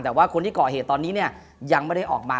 แต่ว่าคนที่เกาะเหตุตอนนี้ยังไม่ได้ออกมา